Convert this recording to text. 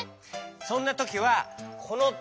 そんなときはこのタオル！